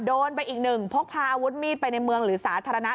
โดนไปอีกหนึ่งพกพาอาวุธมีดไปในเมืองหรือสาธารณะ